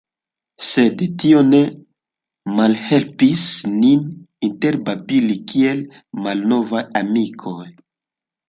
Sed tio ne malhelpis nin interbabili kiel malnovaj amikoj.